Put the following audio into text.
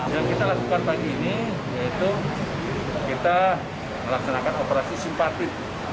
yang kita lakukan pagi ini yaitu kita melaksanakan operasi simpatik